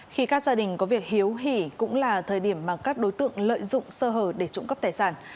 khi các gia đình có việc hiếu hỉ cũng là thời điểm mà các đối tượng lợi dụng sơ hở để trụng cấp tài sản